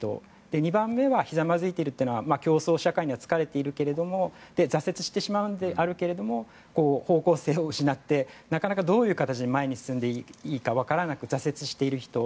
２番目はひざまずいているというのは競争社会には疲れているけれど挫折してしまうのであるけど方向性を失ってなかなかどういう形で前に進んでいいかわからなく挫折している人。